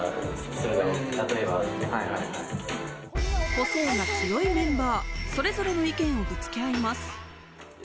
個性が強いメンバー、それぞれの意見をぶつけ合います。